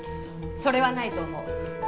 それはないと思う。